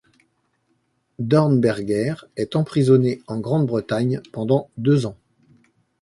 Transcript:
Dornberger est emprisonné en Grande-Bretagne pendant deux ans.